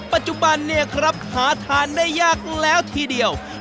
ปัจจุบันเนี่ยครับหาทานได้ยากแล้วทีเดียว